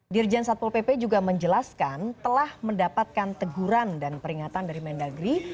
dirjen satpol pp juga menjelaskan telah mendapatkan teguran dan peringatan dari mendagri